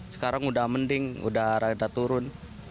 tujuh belas enam belas sekarang sudah mending sudah rata turun